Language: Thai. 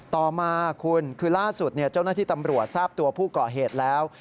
ต่อมาคุณคือล่าสุดเจ้าหน้าที่ตำรวจทราบตัวผู้ก่อเหตุแล้ว